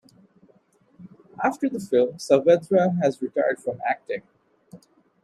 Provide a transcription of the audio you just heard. After the film, Saavedra has retired from acting.